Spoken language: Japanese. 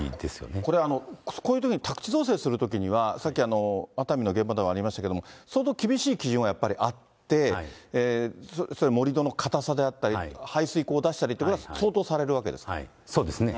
これ、こういうときに宅地造成するときには、さっき熱海の現場でもありましたけれども、相当厳しい基準はやっぱりあって、それ、盛り土の硬さであったり、排水溝出したりということは、相当されそうですね。